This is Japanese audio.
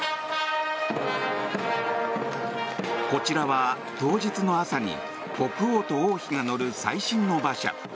こちらは当日の朝に国王と王妃が乗る最新の馬車。